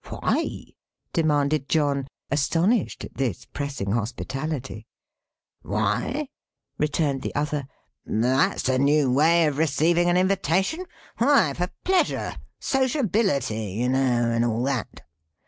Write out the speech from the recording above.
"Why?" demanded John, astonished at this pressing hospitality. "Why?" returned the other. "That's a new way of receiving an invitation. Why, for pleasure; sociability, you know, and all that!"